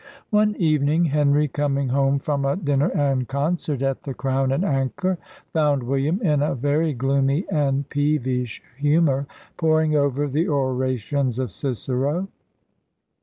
One evening, Henry, coming home from a dinner and concert at the Crown and Anchor found William, in a very gloomy and peevish humour, poring over the orations of Cicero.